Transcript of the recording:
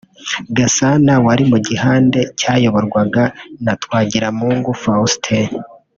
Gasana wari mu gihande cyayoborwaga na Twagiramungu Fuastin